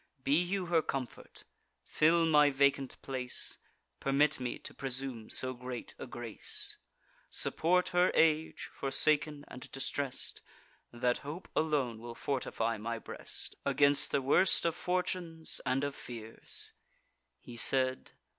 Be you her comfort; fill my vacant place (Permit me to presume so great a grace) Support her age, forsaken and distress'd. That hope alone will fortify my breast Against the worst of fortunes, and of fears." He said.